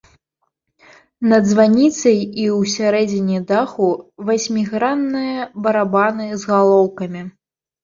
Над званіцай і ў сярэдзіне даху васьмігранныя барабаны з галоўкамі.